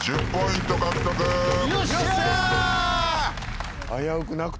よっしゃ！